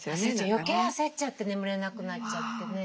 よけい焦っちゃって眠れなくなっちゃってね。